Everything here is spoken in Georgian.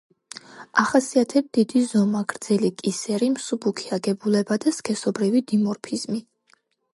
ახასიათებთ დიდი ზომა, გრძელი კისერი, მსუბუქი აგებულება და სქესობრივი დიმორფიზმი.